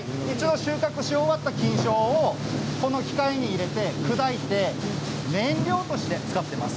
収穫し終わった菌床をこの機械に入れて砕いて燃料として使っています。